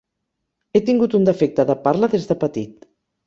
He tingut un defecte de parla des de petit.